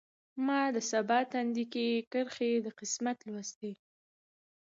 ما د سبا تندی کې کرښې د قسمت لوستلي